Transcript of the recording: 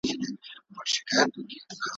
ـ ما يې په هغه کڅوړه کې انځورونه درلېږلي دي.